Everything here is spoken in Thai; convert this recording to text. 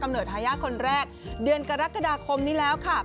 เนิดทายาทคนแรกเดือนกรกฎาคมนี้แล้วค่ะ